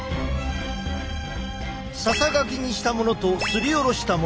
ささがきにしたものとすりおろしたもの